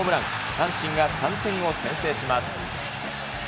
阪神が３点を先制します。